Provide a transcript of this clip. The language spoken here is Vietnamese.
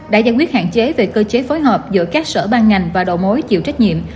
đã giải quyết hạn chế về cơ chế phối hợp giữa các sở ban ngành và đầu mối chịu trách nhiệm